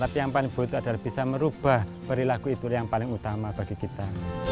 tapi yang paling butuh adalah bisa merubah perilaku itu yang paling utama bagi kita